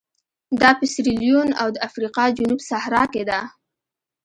دا په سیریلیون او د افریقا جنوب صحرا کې ده.